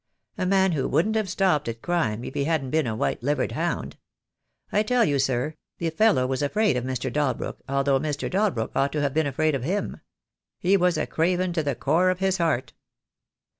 A man who wouldn't have stopped at crime if he hadn't been a white livered hound. I tell you, sir, the fellow was afraid of Mr. Dalbrook, although Mr. Dalbrook ought to have been afraid of him. He was a craven to the core of his heart."